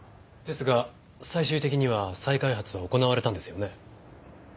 ですが最終的には再開発は行われたんですよね？